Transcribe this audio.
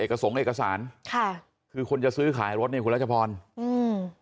สงค์เอกสารค่ะคือคนจะซื้อขายรถเนี้ยคุณรัชพรอืม